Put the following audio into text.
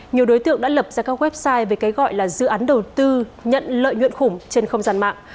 nhiều đối tượng đã lập ra các website về cái gọi là dự án đầu tư nhận lợi nhuận khủng trên không gian mạng